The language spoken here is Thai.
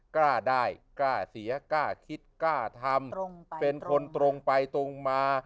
กล้าได้กล้าเสียกล้าคิดกล้าทำเป็นคนตรงไปตรงมา